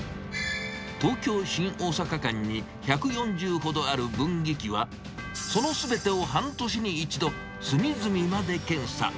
東京・新大阪間に１４０ほどある分岐器は、そのすべてを半年に一度、隅々まで検査。